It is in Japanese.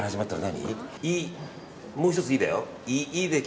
もう１つ「い」だよ。